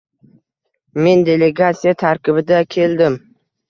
Men delegatsiya tarkibida keldim.